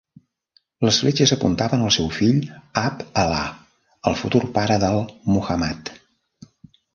Les fletxes apuntaven al seu fill Abd-Allah, el futur pare del Muhammad.